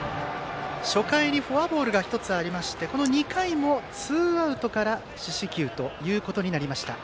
初回にフォアボールが１つありましてこの２回もツーアウトから四死球ということになりました。